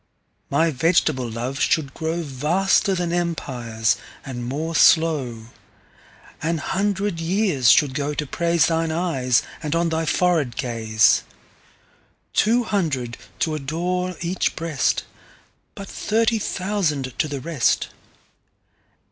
My vegetable Love should growVaster then Empires, and more slow. An hundred years should go to praiseThine Eyes, and on thy Forehead Gaze.Two hundred to adore each Breast:But thirty thousand to the rest.